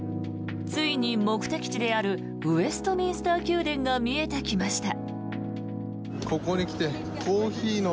ついに目的地であるウェストミンスター宮殿が見えてきました。